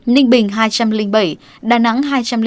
ninh bình hai trăm linh bảy đà nẵng hai trăm linh